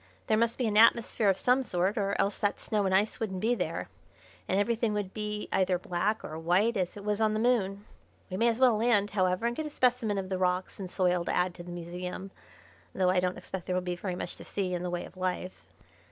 There must be an atmosphere of some sort, or else that snow and ice wouldn't be there, and everything would be either black or white as it was on the Moon. We may as well land, however, and get a specimen of the rocks and soil to add to the museum, though I don't expect there will be very much to see in the way of life."